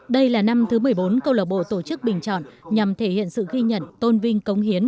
đây là năm thứ một mươi bốn câu lạc bộ tổ chức bình chọn nhằm thể hiện sự ghi nhận tôn vinh công hiến